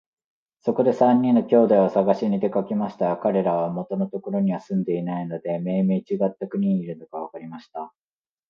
そこで三人の兄弟をさがしに出かけましたが、かれらは元のところには住んでいないで、めいめいちがった国にいるのがわかりました。